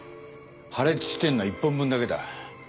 破裂してんのは１本分だけだ。